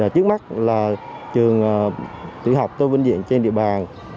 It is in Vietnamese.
trước mắt là trường tự học tôn vinh viện trên địa bàn